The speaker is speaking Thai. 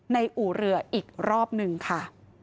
อู่เรืออีกรอบหนึ่งค่ะ